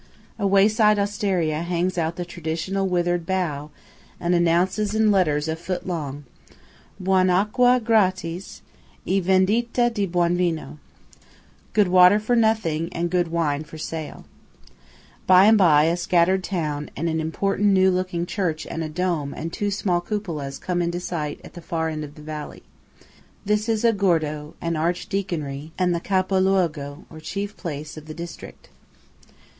A wayside osteria hangs out the traditional withered bough, and announces in letters a foot long:–"Buon Acqua gratis, e Vendita di Buon Vino" (Good Water for nothing and Good Wine for sale). By and by, a scattered town and an important new looking church with a dome and two small cupolas come into sight at the far end of the valley This is Agordo, an archdeaconry, and the Capoluogo, or chief place, of the district.